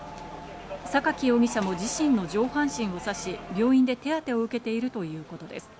サカキ容疑者も自身の上半身を刺し、病院で手当を受けているということです。